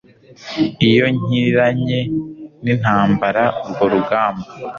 iyo nkiranye nintambara urwo rugamba